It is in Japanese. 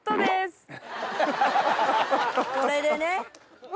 これでね。